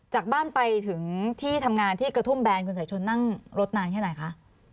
จากบ้านไปถึงที่ทำงานที่กระทุ่มแบนคุณสายชนนั่งรถนานแค่ไหนคะ